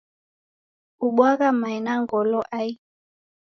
Ubwaghaa mae na ngolo, ai!